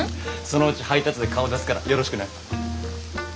そのうち配達で顔出すからよろしくな。